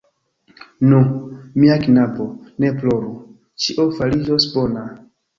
Nu, mia knabo, ne ploru; ĉio fariĝos bona.